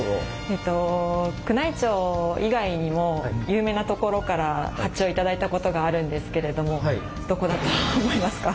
えっと宮内庁以外にも有名なところから発注を頂いたことがあるんですけれどもどこだと思いますか？